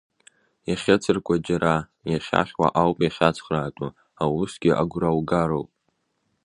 Иахьыцыркьуа џьара, иахьахьуа ауп иахьацхраатәу аусгьы агәра угароуп.